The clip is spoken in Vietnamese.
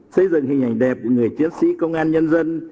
xây dựng hình ảnh đẹp của người chiến sĩ công an nhân dân